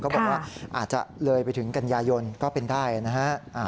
บอกว่าอาจจะเลยไปถึงกันยายนก็เป็นได้นะฮะ